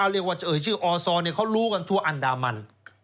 เป็นชื่ออสอนเขารู้กันทั่วอันดาวมัน